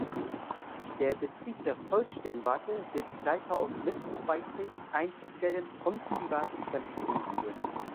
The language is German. Der Betrieb der Volkssternwarte wird seither aus Mitgliedsbeiträgen, Eintrittsgeldern und privaten Spenden finanziert.